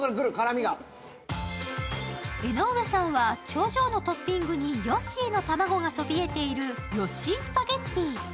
江上さんは頂上のトッピングにヨッシーの卵がそびえているヨッシースパゲティ。